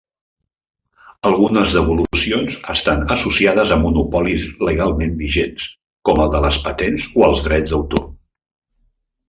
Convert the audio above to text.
Algunes devolucions estan associades a monopolis legalment vigents com el de les patents o els drets d'autor.